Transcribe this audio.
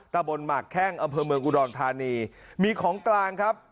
ตะบนหมากแข้งอำเภอเมืองอุดรธานีมีของกลางครับ